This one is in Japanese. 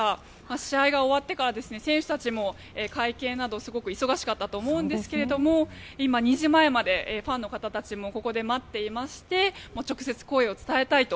試合が終わってから選手たちも会見などすごく忙しかったと思うんですが今、２時前までファンの方たちもここで待っていまして直接、声を伝えたいと。